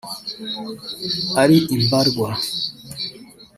ari mbarwa